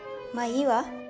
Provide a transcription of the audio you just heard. まあいいわ。